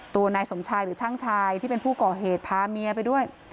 ตัวนายสมชายหรือช่างชายที่เป็นผู้ก่อเหตุพาเมียไปด้วย